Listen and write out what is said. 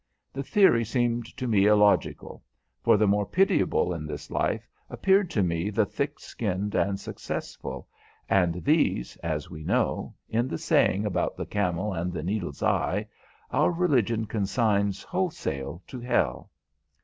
The theory seemed to me illogical, for the more pitiable in this life appeared to me the thick skinned and successful, and these, as we know, in the saying about the camel and the needle's eye, our religion consigns wholesale to hell.